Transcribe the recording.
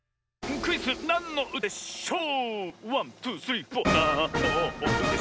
クイズ「なんのうたでしょう」！